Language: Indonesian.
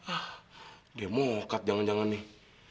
ah dia mokad jangan jangan nih